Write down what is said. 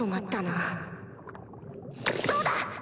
そうだ！